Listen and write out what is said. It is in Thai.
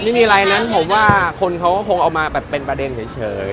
ไม่มีอะไรนั้นผมว่าคนเขาก็คงเอามาแบบเป็นประเด็นเฉย